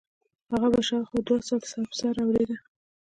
هغه به شاوخوا دوه ساعته سر په سر اورېده.